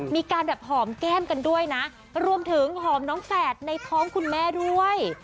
มีการแบบหอมแก้มกันด้วยนะรวมถึงหอมน้องแฝดในท้องคุณแม่ด้วย